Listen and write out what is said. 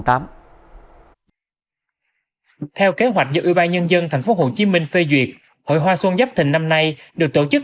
theo kế hoạch do ủy ban nhân dân tp hcm phê duyệt hội hoa xuân giáp thình năm nay được tổ chức